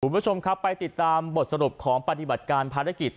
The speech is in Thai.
คุณผู้ชมครับไปติดตามบทสรุปของปฏิบัติการภารกิจ